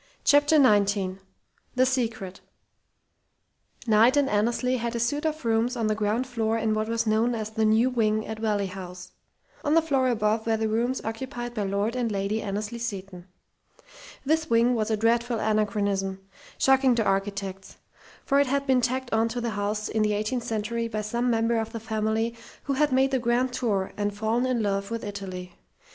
CHAPTER XIX THE SECRET Knight and Annesley had a suite of rooms on the ground floor in what was known as "the new wing" at Valley House. On the floor above were the rooms occupied by Lord and Lady Annesley Seton. This wing was a dreadful anachronism, shocking to architects, for it had been tacked on to the house in the eighteenth century by some member of the family who had made the "grand tour" and fallen in love with Italy.